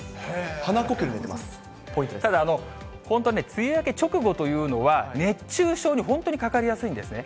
鼻呼吸で寝てただ、本当はね、梅雨明け直後というのは、熱中症に本当にかかりやすいんですね。